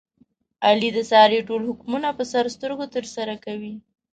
علي د سارې ټول حکمونه په سر سترګو ترسره کوي.